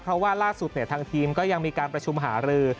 เพราะว่าล่าสุดทางทีมก็ยังมีการประชุมหารือ